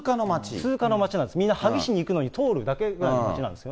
通過の町なんです、みんな萩市の町に行くのに通るだけの町なんです。